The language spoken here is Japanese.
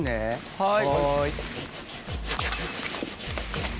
はい。